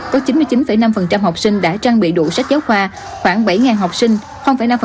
có chín mươi chín năm học sinh đã trang bị đủ sách giáo khoa khoảng bảy học sinh năm